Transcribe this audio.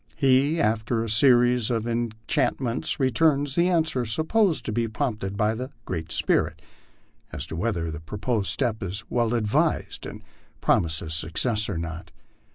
He, after a series of enchantments, returns the answer supposed to be prompted by the Great Spirit, as to whether the proposed step is well advised and promises success or not.